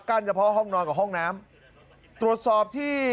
เฉพาะห้องนอนกับห้องน้ำตรวจสอบที่